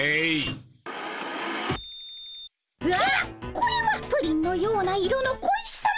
これはプリンのような色の小石さま！